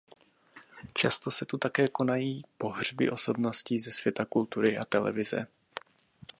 Často se tu také konají pohřby osobností ze světa kultury a televize.